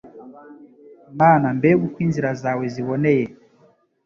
Mana mbega uko inzira zawe ziboneye